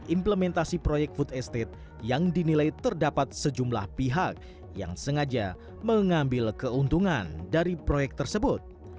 implementasi proyek food estate yang dinilai terdapat sejumlah pihak yang sengaja mengambil keuntungan dari proyek tersebut